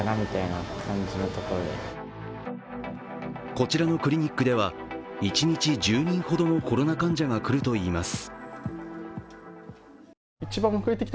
こちらのクリニックでは一日１０人ほどのコロナ患者が来るといいます。